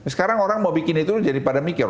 sekarang orang mau bikin itu jadi pada mikir